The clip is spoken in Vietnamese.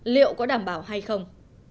liệu có đảm bảo hay không